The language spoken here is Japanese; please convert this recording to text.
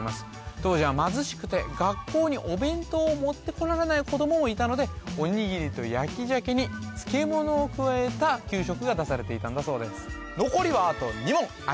当時は貧しくて学校にお弁当を持ってこられない子供もいたのでおにぎりと焼き鮭に漬物を加えた給食が出されていたんだそうです